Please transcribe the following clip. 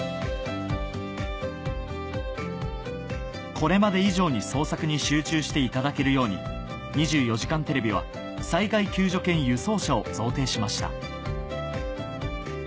これまで以上に捜索に集中していただけるように『２４時間テレビ』は災害救助犬輸送車を贈呈しました